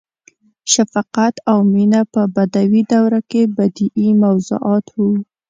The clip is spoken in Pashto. • شفقت او مینه په بدوي دوره کې بدیعي موضوعات وو.